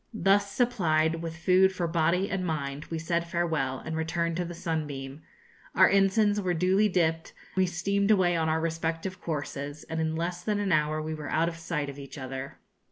Thus supplied with food for body and mind, we said farewell, and returned to the 'Sunbeam;' our ensigns were duly dipped, we steamed away on our respective courses, and in less than an hour we were out of sight of each other.